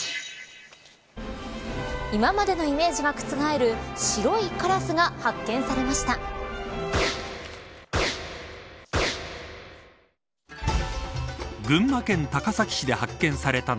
今までのイメージが覆る白いカラスが発見されました。